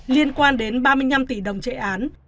liên quan đến ba mươi năm tỷ đồng chạy án